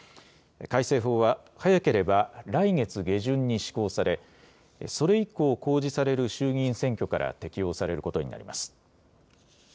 改正法は、早ければ来月下旬に施行され、それ以降公示される衆議院選挙から適用されることになります。